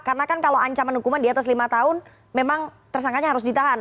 karena kan kalau ancaman hukuman di atas lima tahun memang tersangkanya harus ditahan